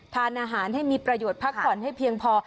ทานอาหารให้มีประโยชน์พักผ่อนให้เพียงพอ